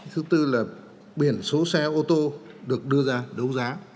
thứ tư là biển số xe ô tô được đưa ra đấu giá